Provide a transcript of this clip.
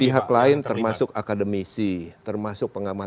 pihak lain termasuk akademisi termasuk pengamat